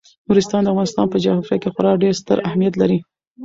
نورستان د افغانستان په جغرافیه کې خورا ډیر ستر اهمیت لري.